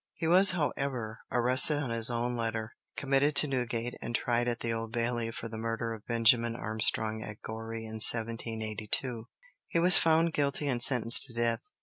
He was, however, arrested on his own letter, committed to Newgate, and tried at the Old Bailey for the murder of Benjamin Armstrong at Goree in 1782. He was found guilty and sentenced to death.